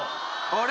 あれ？